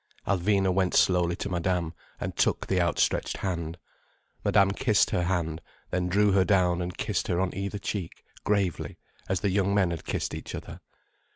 Alvina went slowly to Madame, and took the outstretched hand. Madame kissed her hand, then drew her down and kissed her on either cheek, gravely, as the young men had kissed each other.